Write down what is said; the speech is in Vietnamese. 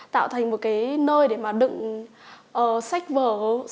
tạo thành một cái nơi để mà đựng sách vở